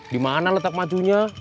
dimana letak majunya